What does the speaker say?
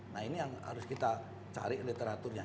nah ini yang harus kita cari literaturnya